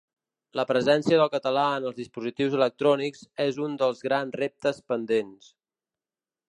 La presència del català en els dispositius electrònics és un dels grans reptes pendents.